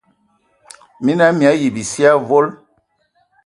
Mina hm mii ayi bisie avol.